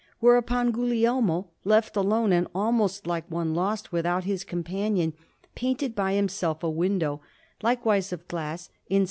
Whereupon Guglielmo, left alone, and almost like one lost without his companion, painted by himself a window, likewise of glass, in S.